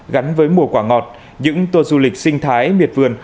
gắn với mùa quả ngọt những tour du lịch sinh thái miệt vườn